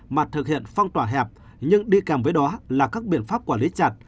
mặt thực hiện phong tỏa hẹp nhưng đi kèm với đó là các biện pháp quản lý chặt